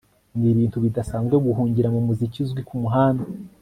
nibintu bidasanzwe guhungira mumuziki uzwi kumuhanda